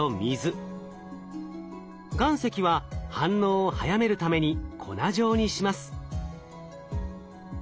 岩石は反応を早めるために粉状にします。